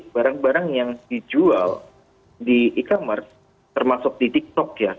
barang barang yang dijual di e commerce termasuk di tiktok ya